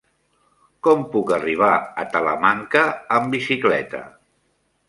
Com puc arribar a Talamanca amb bicicleta?